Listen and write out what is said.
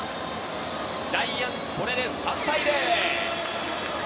ジャイアンツ、これで３対０。